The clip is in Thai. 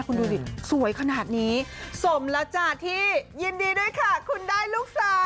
คุณดูดิสวยขนาดนี้สมแล้วจ้าที่ยินดีด้วยค่ะคุณได้ลูกสาว